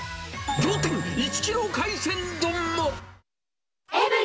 仰天、１キロ海鮮丼も。